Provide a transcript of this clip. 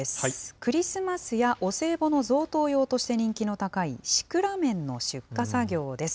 クリスマスやお歳暮の贈答用として人気の高いシクラメンの出荷作業です。